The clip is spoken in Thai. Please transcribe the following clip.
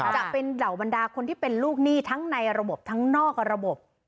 จะเป็นเหล่าบรรดาคนที่เป็นลูกหนี้ทั้งในระบบทั้งนอกระบบ